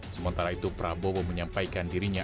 sementara itu prabowo menyampaikan dirinya